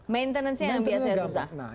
maintenance nya yang biasa susah